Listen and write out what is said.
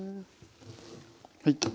はい。